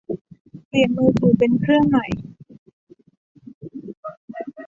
เปลี่ยนมือถือเป็นเครื่องใหม่